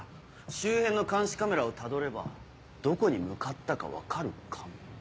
周辺の監視カメラをたどればどこに向かったか分かるかも。